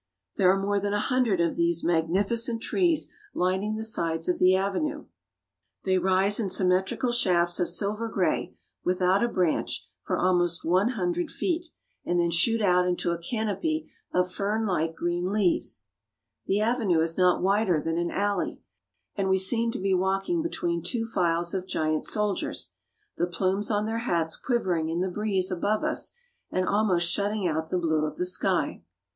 There are more than a hundred of these magnificent trees lining the sides of the avenue. They rise in symmetrical shafts of silver gray, without a branch, for almost one hundred feet, and then shoot out into a canopy of fernlike green leaves. The avenue is not wider "An avenue of royal palnms.' RIO DE JANEIRO. ' 279 than an alley, and we seem to be walking between two files of giant soldiers, the plumes on their hats quivering in the breeze above us and almost shutting out the blue of the sky.